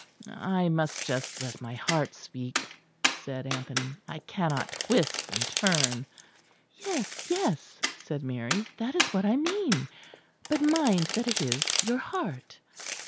"I must just let my heart speak," said Anthony, "I cannot twist and turn." "Yes, yes," said Mary, "that is what I mean; but mind that it is your heart."